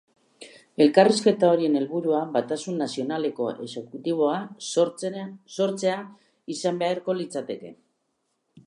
Elkarrizketa horien helburua batasun nazionaleko exekutiboa sortzea izan beharko litzateke.